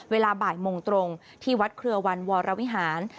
เวลาบ่ายโมงตรงที่วัดเครือวันวรวิหาร